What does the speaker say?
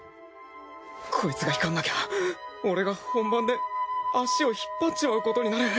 コイツが光んなきゃ俺が本番で足を引っ張っちまうことになる。